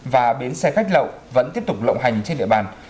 và bến xe khách lậu vẫn tiếp tục lộng hành trên địa bàn